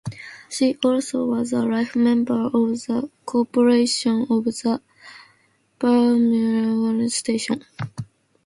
She also was a Life Member of the Corporation of the Bermuda Biological Station.